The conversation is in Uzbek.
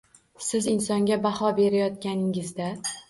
Siz insonga baho berayotganingizda